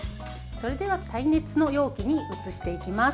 それでは耐熱の容器に移していきます。